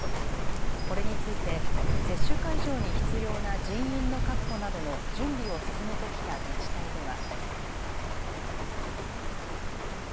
これについて接種会場に必要な人員の確保などの準備を進めてきた自治体では。